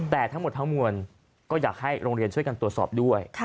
แต่ทั้งหมดทั้งมวลก็อยากให้โรงเรียนช่วยกันตรวจสอบด้วย